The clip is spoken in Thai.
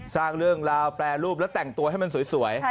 สร้างเรื่องราวแปรรูปและแต่งตัวให้มันสวย